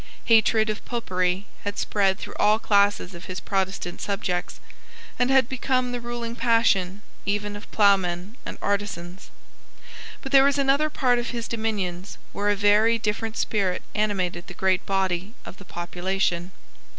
Hatred of Popery had spread through all classes of his Protestant subjects, and had become the ruling passion even of ploughmen and artisans. But there was another part of his dominions where a very different spirit animated the great body of the population.